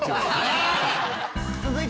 続いて。